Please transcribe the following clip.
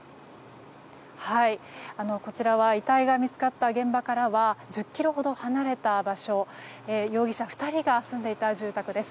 こちらは遺体が見つかった現場からは１０ｋｍほど離れた場所で容疑者２人が住んでいた住宅です。